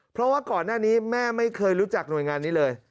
เพราะว่าก่อนหน้านี้แม่ไม่เคยรู้จักหน่วยงานนี้เลย